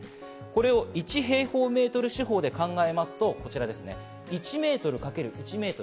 これを１平方メートル四方で考えますと、こちらです。